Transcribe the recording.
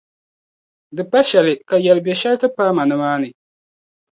di pa shɛli ka yɛlibiɛ’ shɛli ti paai ma nimaani.